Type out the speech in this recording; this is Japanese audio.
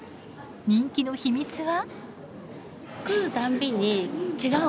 人気の秘密は。